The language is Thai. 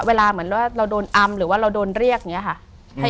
เวลาเหมือนว่าเราโดนอำหรือว่าเราโดนเรียกอย่างนี้ค่ะ